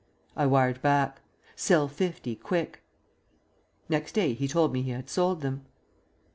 I wired back: "Sell fifty, quick." Next day he told me he had sold them.